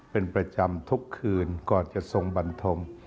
เป็นประจำทุกคืนก่อนจะทรงบันทง